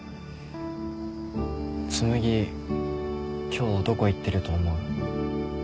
紬今日どこ行ってると思う？